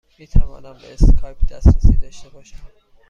می توانم به اسکایپ دسترسی داشته باشم؟